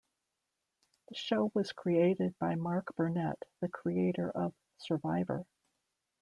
The show was created by Mark Burnett, the creator of "Survivor".